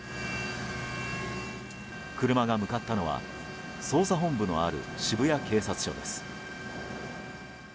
車が向かったのは捜査本部のある渋谷警察署です。